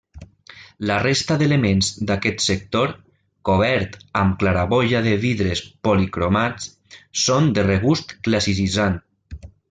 La resta d'elements d'aquest sector, cobert amb claraboia de vidres policromats, són de regust classicitzant.